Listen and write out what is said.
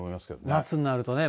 夏になるとね。